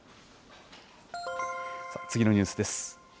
次のニュースです。